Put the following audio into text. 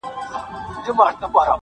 • وږی تږی د غار خوله کي غځېدلی -